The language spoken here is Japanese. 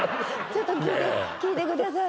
ちょっと聞いて聞いてください